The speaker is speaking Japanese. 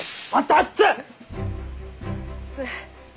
あっつ。